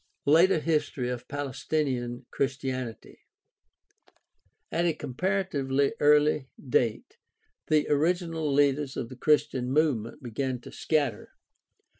Later history of Palestinian Christianity. — At a com paratively early date the original leaders of the Christian movement began to scatter.